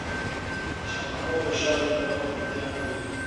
شاه محمود د ښار د مقاومت وړتیا نه لري.